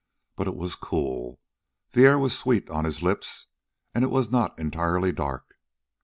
But it was cool; the air was sweet on his lips. And it was not entirely dark.